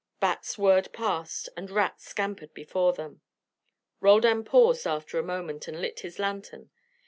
Bats whirred past and rats scampered before them. Roldan paused after a moment and lit his lantern.